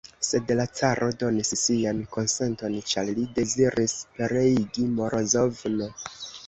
Sed la caro donis sian konsenton, ĉar li deziris pereigi Morozov'n.